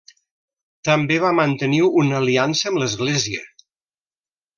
També va mantenir una aliança amb l'Església.